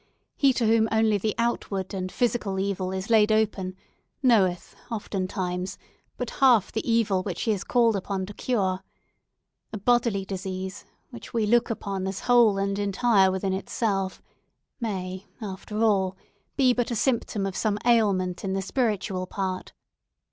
He to whom only the outward and physical evil is laid open, knoweth, oftentimes, but half the evil which he is called upon to cure. A bodily disease, which we look upon as whole and entire within itself, may, after all, be but a symptom of some ailment in the spiritual part.